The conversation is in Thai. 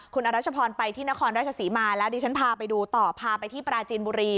คุณอรัชพรไปที่นครราชศรีมาแล้วดิฉันพาไปดูต่อพาไปที่ปราจีนบุรี